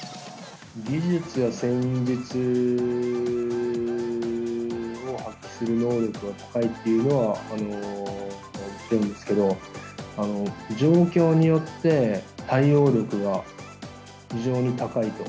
技術や戦術を発揮する能力が高いっていうのはもちろんですけど、状況によって、対応力が非常に高いと。